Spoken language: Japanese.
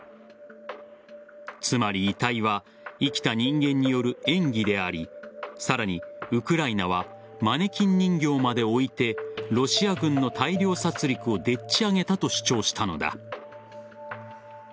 つまり、遺体は生きた人間による演技でありさらにウクライナはマネキン人形まで置いてロシア軍の大量殺戮をでっち上げだと主張したのだ。